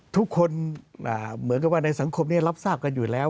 ทุกคนเหมือนกับว่าในสังคมนี้รับทราบกันอยู่แล้ว